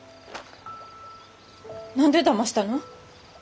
何でだましたの？